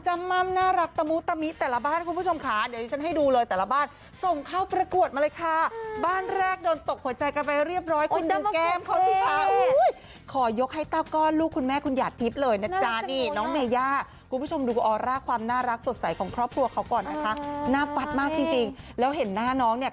มัมสติงนะน้องเออ